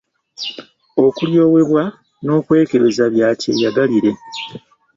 Okulyowebwa n'okwekebeza bya kyeyagalire.